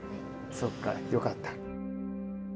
そうか、よかった。